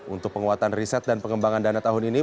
untuk penguatan riset dan pengembangan dana tahun ini